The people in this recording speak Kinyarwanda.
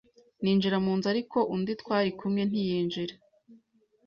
Ninjira mu nzu ariko undi twari kumwe ntiyinjira